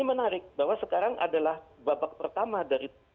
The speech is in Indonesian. ini menarik bahwa sekarang adalah babak pertama dari